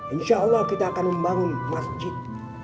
insya allah kita akan membangun masjid